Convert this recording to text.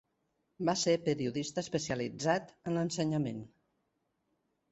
Va ser periodista especialitzat en ensenyament.